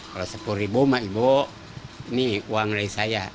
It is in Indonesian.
kalau sepuluh ribu sama ibu ini uang dari saya